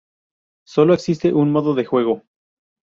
Sólo existe un modo de juego.